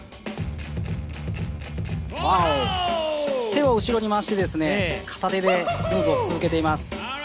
手を後ろに回してですね、片手でムーブを続けています。